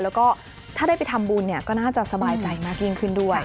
แล้วก็ถ้าได้ไปทำบุญเนี่ยก็น่าจะสบายใจมากยิ่งขึ้นด้วย